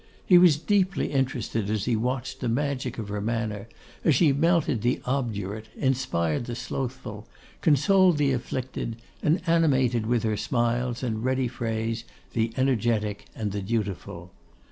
He was deeply interested as he watched the magic of her manner, as she melted the obdurate, inspired the slothful, consoled the afflicted, and animated with her smiles and ready phrase the energetic and the dutiful.